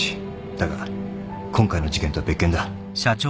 だが今回の事件とは別件だ。